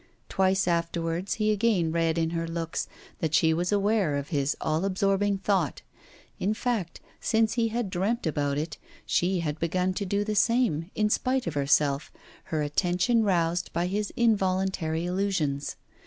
Twice afterwards he again read in her looks that she was aware of his all absorbing thought. In fact, since he had dreamt about it, she had began to do the same, in spite of herself, her attention roused by his involuntary allusions.